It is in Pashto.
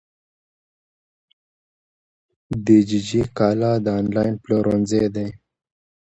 دیجیجی کالا د انلاین پلورنځی دی.